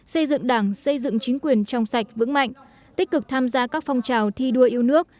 xây dựng đảng xây dựng chính quyền trong sạch vững mạnh tích cực tham gia các phong trào thi đua yêu nước